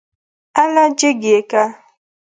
اله جګ يې که.